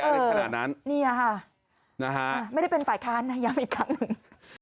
อะไรขนาดนั้นเนี่ยค่ะนะฮะไม่ได้เป็นฝ่ายค้านนะย้ำอีกครั้งหนึ่ง